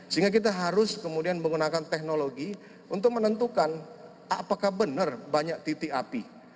sehingga kita harus kemudian menggunakan teknologi untuk menentukan apakah benar banyak titik api